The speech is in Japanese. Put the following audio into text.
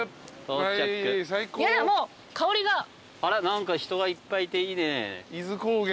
何か人がいっぱいいていいね。